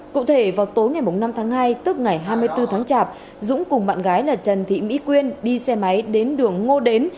cụ thể vào tối ngày năm tháng hai tức ngày hai mươi bốn tháng chạp dũng cùng bạn gái là trần thị mỹ quyên đi xe máy đến đường ngô đến